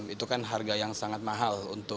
itu kan harga yang sangat mahal